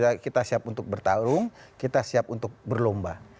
ketika kita siap untuk bertarung kita siap untuk berlomba